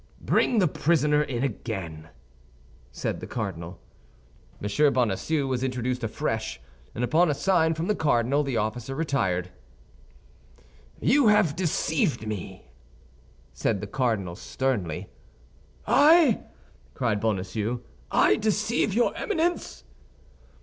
"Bring the prisoner in again," said the cardinal. M. Bonacieux was introduced afresh, and upon a sign from the cardinal, the officer retired. "You have deceived me!" said the cardinal, sternly. "I," cried Bonacieux, "I deceive your Eminence!"